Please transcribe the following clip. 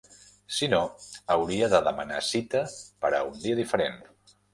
Si no, hauria de demanar cita per a un dia diferent.